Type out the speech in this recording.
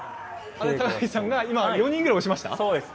高岸さんが今、４人ぐらい押しましたか？